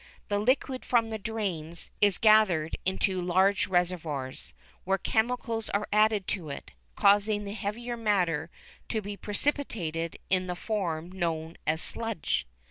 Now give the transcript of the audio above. The liquid from the drains is gathered into large reservoirs, where chemicals are added to it, causing the heavier matter to be precipitated in the form known as "sludge."